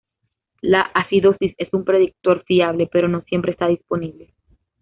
La acidosis es un predictor fiable, pero no siempre está disponible.